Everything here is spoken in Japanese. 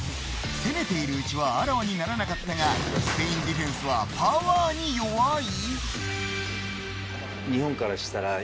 攻めているうちはあらわにならなかったがスペインディフェンスはパワーに弱い。